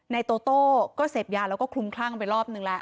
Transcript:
โตโต้ก็เสพยาแล้วก็คลุมคลั่งไปรอบนึงแล้ว